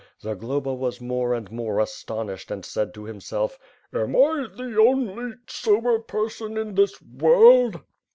Zagloba was more and more astonished and said to himself, "Am I the only sober person in this world?"